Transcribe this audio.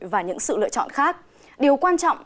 và những sự lựa chọn khác điều quan trọng